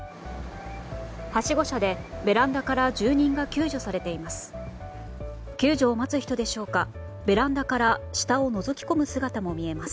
はしご車でベランダから住人が救助されています。